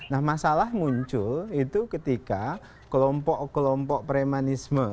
nah masalah muncul itu ketika kelompok kelompok premanisme